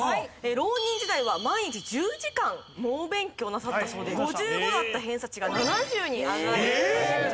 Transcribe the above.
浪人時代は毎日１０時間猛勉強なさったそうで５５だった偏差値が７０に上がった。